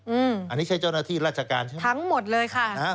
อืมทั้งหมดเลยค่ะอันนี้ใช่เจ้าหน้าที่ราชการใช่ไหม